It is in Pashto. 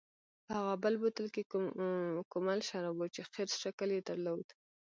په هغه بل بوتل کې کومل شراب و چې خرس شکل یې درلود.